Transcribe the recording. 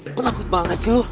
aku takut banget sih lo